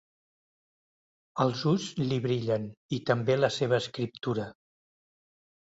Els ulls li brillen, i també la seva escriptura.